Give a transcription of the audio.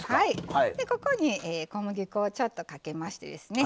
ここに小麦粉をちょっとかけましてですね